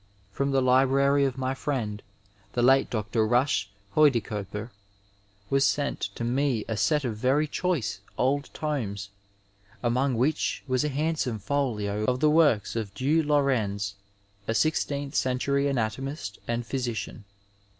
From the library of my friend, the late Dr. Bush Huidekoper, was sent to me a set of very choice old tomes, among which was a handsome folio of the works of du Laurens, a sixteenth century anatomist and physician.